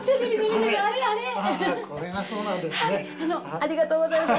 ありがとうございます。